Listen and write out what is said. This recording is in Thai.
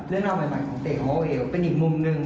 เรื่องราวใหม่ของเด็กโอเหลเป็นอีกมุมหนึ่ง